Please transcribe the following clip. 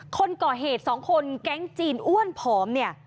คนก่อเหตุสองคนแก๊งจีนอ้วนผอมเนี่ย